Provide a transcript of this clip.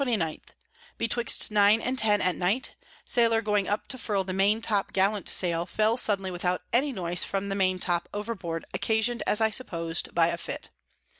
_ Betwixt nine and ten at night, a Sailor going up to furl the Main Top Gallant Sail, fell suddenly without any noise from the Main Top over board, occasion'd as I suppos'd by a Fit.